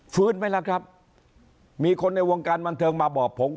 ไหมล่ะครับมีคนในวงการบันเทิงมาบอกผม